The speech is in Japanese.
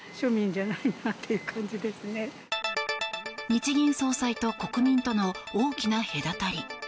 日銀総裁と国民との大きな隔たり。